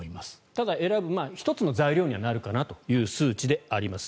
ただ、選ぶ１つの材料にはなるかなという数値です。